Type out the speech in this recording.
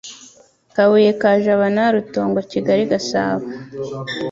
Kabuye ka Jabana Rutongo Kigali Gasabo